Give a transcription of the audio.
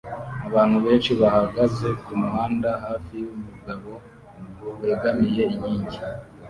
Abantu benshi bahagaze kumuhanda hafi yumugabo wegamiye inkingi